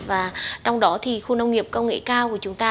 và trong đó thì khu nông nghiệp công nghệ cao của chúng ta